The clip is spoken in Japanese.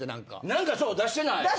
何かそう出してない。